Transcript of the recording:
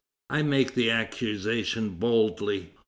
I make the accusation boldly.